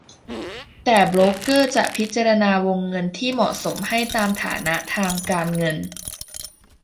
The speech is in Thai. แต่โบรกเกอร์จะพิจารณาวงเงินที่เหมาะสมให้ตามฐานะทางการเงิน